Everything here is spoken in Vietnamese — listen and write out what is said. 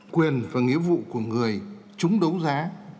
quyền và nghĩa vụ của người trúng đấu giá